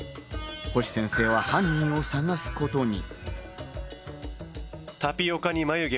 星先生は犯人を捜すことに。